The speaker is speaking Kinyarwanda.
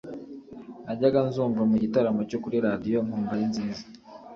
najyaga nzumva mu gitaramo cyo kuri radiyo nkumva ari nziza,